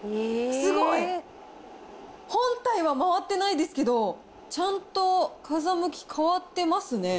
すごい！本体は回ってないですけど、ちゃんと風向き変わってますね。